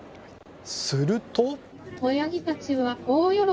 すると。